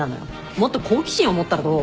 もっと好奇心を持ったらどう？